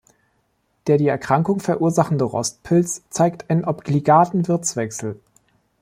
Der die Erkrankung verursachende Rostpilz zeigt einen obligaten Wirtswechsel.